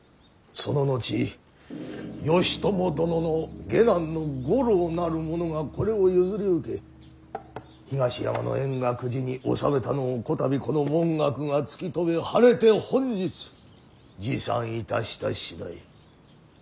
その後義朝殿の下男の五郎なる者がこれを譲り受け東山の円覚寺に納めたのをこたびこの文覚が突き止め晴れて本日持参いたした次第。